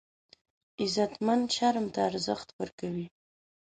غیرتمند شرم ته ارزښت ورکوي